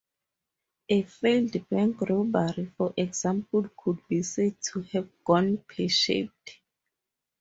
A failed bank robbery, for example, could be said to have "gone pear-shaped".